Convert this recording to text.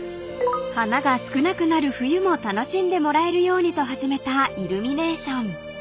［花が少なくなる冬も楽しんでもらえるようにと始めたイルミネーション］